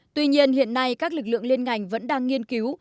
tuy nhiên hiện nay các lực lượng liên ngành vẫn đang nghiên cứu